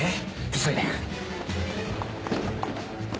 急いで。